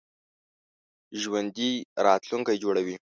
ژوندي راتلونکی جوړوي